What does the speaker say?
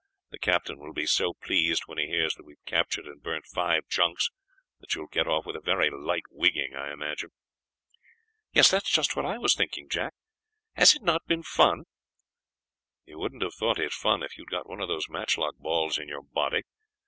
The captain will be so pleased when he hears that we have captured and burnt five junks, that you will get off with a very light wigging, I imagine." "That's just what I was thinking, Jack. Has it not been fun?" "You wouldn't have thought it fun if you had got one of those matchlock balls in your body.